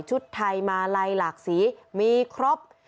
ชุดไทยมาลัยหลากสีมีครบ